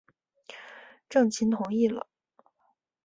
郑覃同意了。